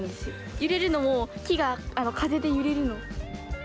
揺れるのも、木が風で揺れるのを。